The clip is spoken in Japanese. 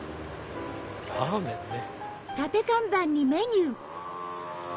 ラーメンね。